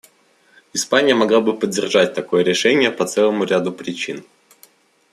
Испания могла бы поддержать такое решение по целому ряду причин.